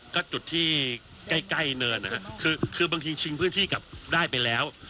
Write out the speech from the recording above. ก็จุดที่ใกล้เนินนะฮะคือบางทีชิงพื้นที่กลับได้ไปแล้ว